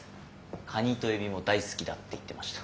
カニとエビも大好きだって言ってました。